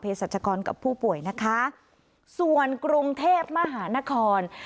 สัชกรกับผู้ป่วยนะคะส่วนกรุงเทพมหานคร